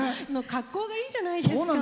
格好がいいじゃないですか。